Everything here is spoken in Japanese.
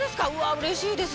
うれしいです